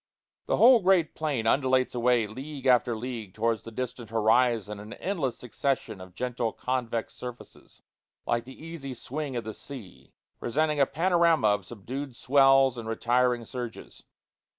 The whole great plain undulates away league after league towards the distant horizon in an endless succession of gentle convex surfaces like the easy swing of the sea presenting a panorama of subdued swells and retiring surges.